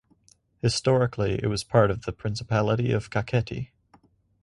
Historically it was part of principality of Kakheti.